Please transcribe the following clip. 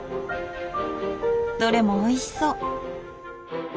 どれもおいしそう！